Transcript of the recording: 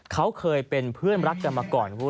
เขาเคยเป็นเพื่อนรักกันมาก่อน